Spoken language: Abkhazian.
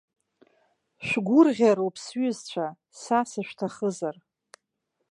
Шәгәырӷьароуп, сҩызцәа, са сышәҭахызар.